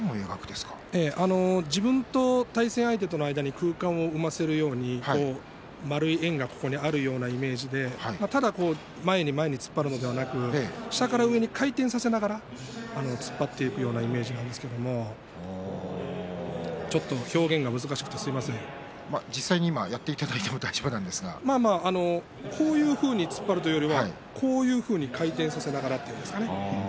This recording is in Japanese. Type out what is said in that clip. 自分と対戦相手との間に空間を生ませるように丸い円が前にあるような感じでただ前に前に突っ張るのではなく下から上に回転させながら突っ張っていくようなイメージなんですけれどちょっと表現が難しくて実際にやっていただいてもこういうふうに突っ張るよりはこういうふうに回転させながらですね。